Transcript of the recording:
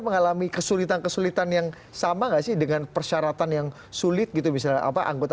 mengalami kesulitan kesulitan yang sama nggak sih dengan persyaratan yang sulit gitu misalnya apa anggota